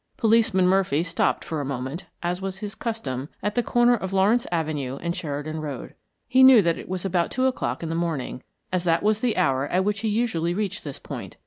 Policeman Murphy stopped far a moment, as was his custom, at the corner of Lawrence Avenue and Sheridan Road. He knew that it was about two o'clock in the morning as that was the hour at which he usually reached this point.